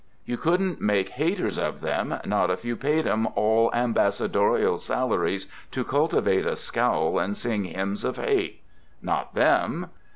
You couldn't make haters of 'em, not if you paid 'em all ambassadorial salaries to cultivate a scowl and sing hymns of hate. Not them.